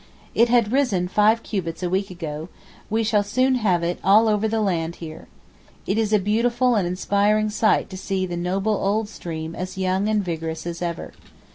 It had risen five cubits a week ago; we shall soon have it all over the land here. It is a beautiful and inspiriting sight to see the noble old stream as young and vigorous as ever.